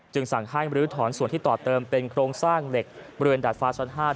สั่งให้มรื้อถอนส่วนที่ต่อเติมเป็นโครงสร้างเหล็กบริเวณดาดฟ้าชั้น๕